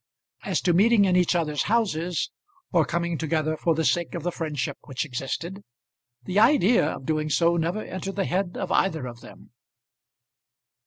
As to meeting in each other's houses, or coming together for the sake of the friendship which existed, the idea of doing so never entered the head of either of them.